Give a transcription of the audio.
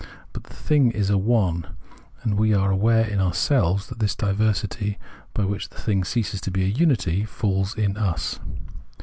But the thing is a " one "; and we are aware in ourselves that this diversity, by which the thing ceases to be a unity, falls in us.